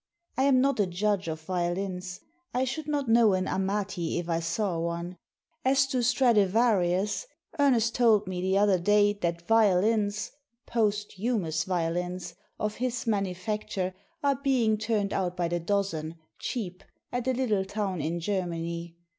I am not a judge of violins. I should not know an Amati if I saw one. As to Straduarius, Ernest told me the other day that violins — posthumous violins — of his manufacture are being turned out by the dozen, cheap, at a little town in Germany.